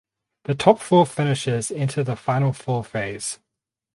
The top four finishers enter the Final Four phase.